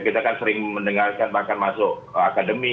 kita kan sering mendengarkan bahkan masuk akademi